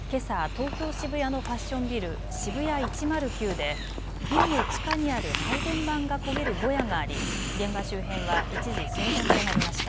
東京渋谷のファッションビル、ＳＨＩＢＵＹＡ１０９でビルの地下にある配電盤が焦げるぼやがあり現場周辺は一時騒然となりました。